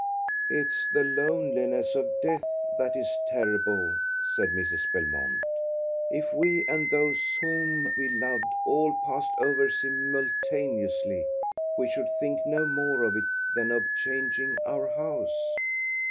"It's the loneliness of death that is terrible," said Mrs. Belmont. "If we and those whom we loved all passed over simultaneously, we should think no more of it than of changing our house."